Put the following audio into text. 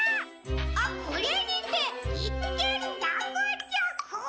「あっこれにていっけんらくちゃく！」。